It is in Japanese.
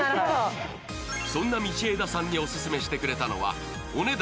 そんな道枝さんにオススメしてくれたのはお値段